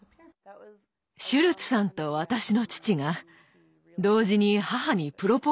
シュルツさんと私の父が同時に母にプロポーズしたらしいです。